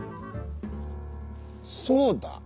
そうだ。